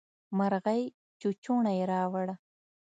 مرغۍ چوچوڼی راووړ.